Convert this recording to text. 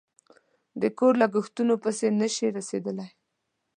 د کور لگښتونو پسې نشي رسېدلی